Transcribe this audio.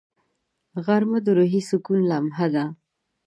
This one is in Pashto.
غرمه د روحي سکون لمحه ده